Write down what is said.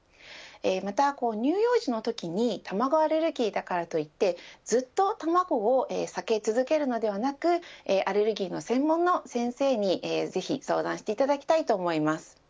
また、乳幼児のときに卵アレルギーだからといってずっと卵を避け続けるのではなくアレルギーの専門の先生に相談していただきたいと思います。